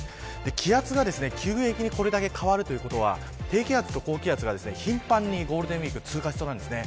気圧が急激にこれだけ変わるということは低気圧と高気圧が頻繁に、ゴールデンウイーク通過しそうなんですね。